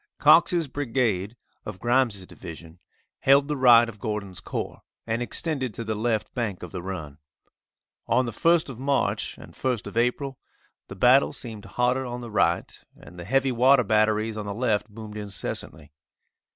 Cox's brigade, of Grimes' division, held the right of Gordon's corps and extended to the left bank of the run. On the 1st of March and 1st of April, the battle seemed hotter on the right, and the heavy water batteries on the left boomed incessantly.